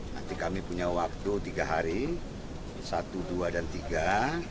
nanti kami punya waktu tiga hari satu dua dan tiga